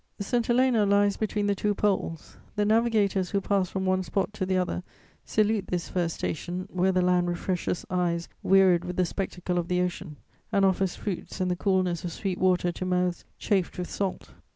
St. Helena lies between the two Poles. The navigators who pass from one spot to the other salute this first station where the land refreshes eyes wearied with the spectacle of the Ocean and offers fruits and the coolness of sweet water to mouths chafed with salt.